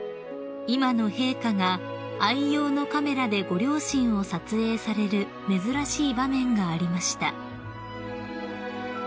今の陛下が愛用のカメラでご両親を撮影される珍しい場面がありました］